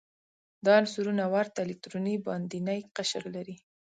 دا عنصرونه ورته الکتروني باندینی قشر لري.